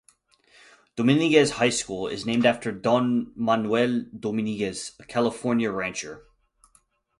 Dominguez High School is named after Don Manuel Dominguez, a California rancher.